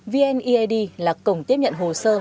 vneid là cổng tiếp nhận hồ sơ